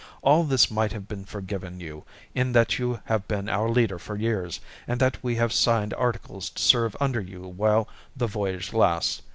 All this might have been forgiven you, in that you have been our leader for years, and that we have signed articles to serve under you while the voyage lasts.